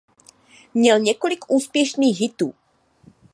Měl několik úspěšných hitů.